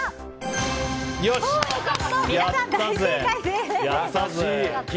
皆さん大正解です！